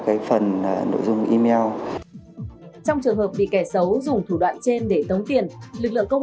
cái phần nội dung email trong trường hợp bị kẻ xấu dùng thủ đoạn trên để tống tiền lực lượng công